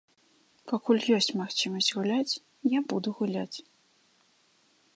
Пакуль ёсць магчымасць гуляць, я буду гуляць.